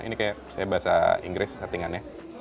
ini kayak saya bahasa inggris settingannya